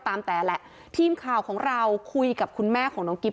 แต่แหละทีมข่าวของเราคุยกับคุณแม่ของน้องกิ๊บ